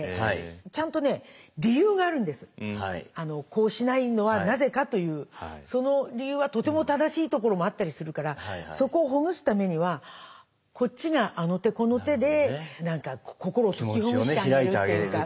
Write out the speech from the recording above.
「こうしないのはなぜか」というその理由はとても正しいところもあったりするからそこをほぐすためにはこっちがあの手この手で心を解きほぐしてあげるっていうか。